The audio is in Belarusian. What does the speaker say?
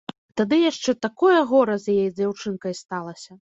А тады яшчэ такое гора з яе дзяўчынкай сталася.